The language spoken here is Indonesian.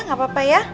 gak apa apa ya